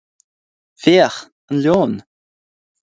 Féach an leon!